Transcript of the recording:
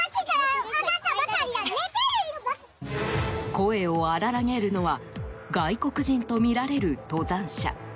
声を荒らげるのは外国人とみられる登山者。